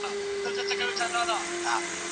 ده خپل تور لاسونه په جېب کې یو بل سره موښل.